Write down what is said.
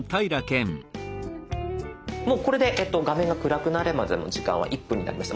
もうこれで画面が暗くなるまでの時間は１分になりました。